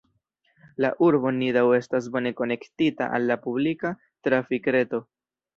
La urbo Nidau estas bone konektita al la publika trafikreto.